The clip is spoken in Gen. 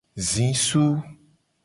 Zisu.